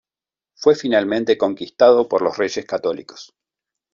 Fue finalmente conquistado por los Reyes Católicos.